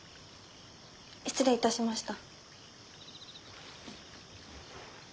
失礼いたしました。